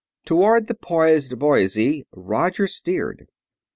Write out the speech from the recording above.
Toward the poised Boise Roger steered.